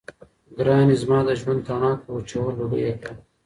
ګراني! زما د ژوند تڼاكه وچووه لوګـى يـې كړه